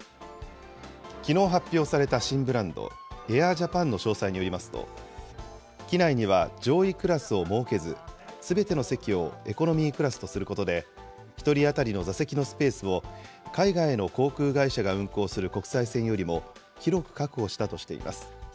きのう発表された新ブランド、エアージャパンの詳細によりますと、機内には上位クラスを設けず、すべての席をエコノミークラスとすることで、１人当たりの座席のスペースを海外の航空会社が運航する国際線よりも、広く確保したとしています。